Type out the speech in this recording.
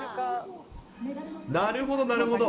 なるほど、なるほど。